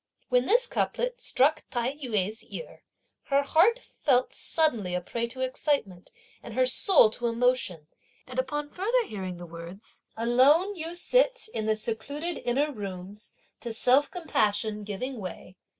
When this couplet struck Tai yu's ear, her heart felt suddenly a prey to excitement and her soul to emotion; and upon further hearing the words: Alone you sit in the secluded inner rooms to self compassion giving way.